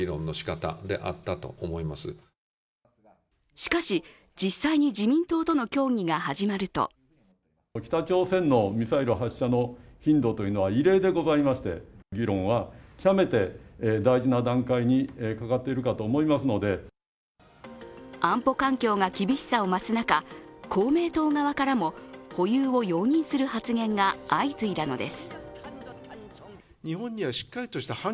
しかし、実際に自民党との協議が始まると安保環境が厳しさを増す中、公明党側からも保有を容認する発言が相次いだのです。